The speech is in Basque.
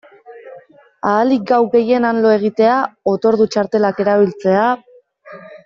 Ahalik gau gehien han lo egitea, otordu-txartelak erabiltzea...